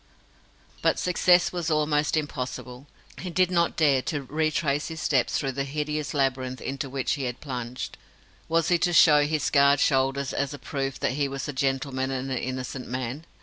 But success was almost impossible. He did not dare to retrace his steps through the hideous labyrinth into which he had plunged. Was he to show his scarred shoulders as a proof that he was a gentleman and an innocent man?